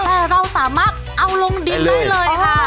แต่เราสามารถเอาลงดินได้เลยค่ะ